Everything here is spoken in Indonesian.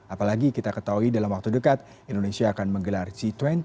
apalagi kita ketahui dalam waktu dekat indonesia akan menggelar g dua puluh